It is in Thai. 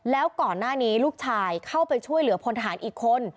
แล้วก่อนหน้านี้ลูกชายเข้าไปช่วยเหลือพลทหารอีกคน